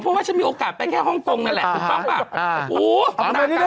เพราะว่าฉันมีโอกาสไปแค่ฮ่องคงนั่นแหละ